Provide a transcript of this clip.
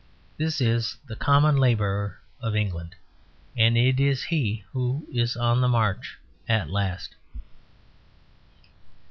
This is the Common Labourer of England; and it is he who is on the march at last.